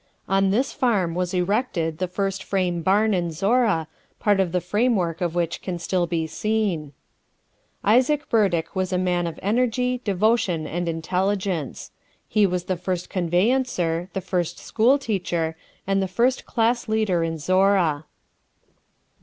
On this farm was erected the first frame barn in Zorra, part of the framework of which can still be seen. Isaac Burdick was a man of energy, devotion and intelligence; he was the first conveyancer, the first school teacher, and the first class leader in Zorra.